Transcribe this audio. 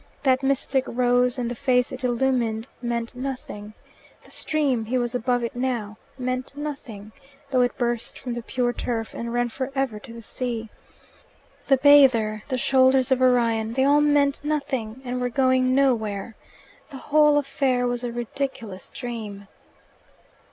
That mystic rose and the face it illumined meant nothing. The stream he was above it now meant nothing, though it burst from the pure turf and ran for ever to the sea. The bather, the shoulders of Orion they all meant nothing, and were going nowhere. The whole affair was a ridiculous dream.